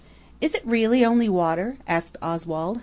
"Is it really only water?" asked Oswald.